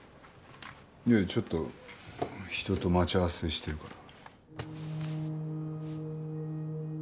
いやちょっと人と待ち合わせしてるから。